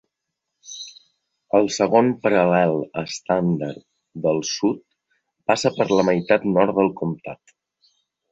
El segon paral·lel estàndard del sud passa per la meitat nord del comtat.